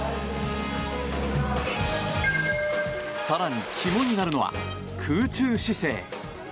更に肝になるのは空中姿勢。